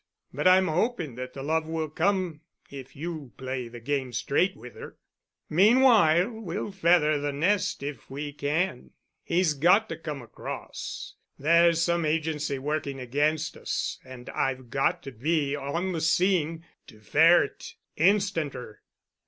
But I'm hoping that the love will come if you play the game straight with her. "Meanwhile we'll feather the nest if we can. He's got to 'come across.' There's some agency working against us—and I've got to be on the scene to ferret—instanter.